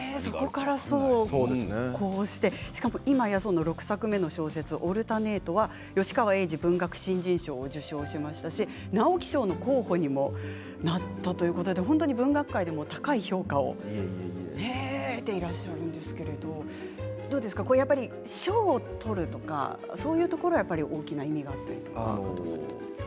今や６作目の小説「オルタネート」は吉川英治文学新人賞を受賞しましたし直木賞の候補にもなったということで文学界でも高い評価を得ていらっしゃるんですけれど賞を取るとかそういうところ大きな意味があると思いますか。